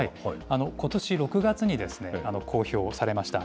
ことし６月に公表されました。